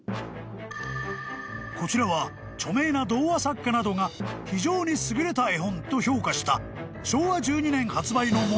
［こちらは著名な童話作家などが非常に優れた絵本と評価した］